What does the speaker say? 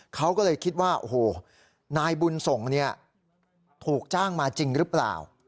เขาก็เลยคิดว่านายบุญส่งถูกจ้างมาจริงหรือเปล่า